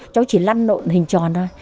cháu chỉ lăn nộn hình tròn thôi